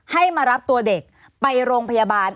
ให้มารับตัวเด็กไปโรงพยาบาล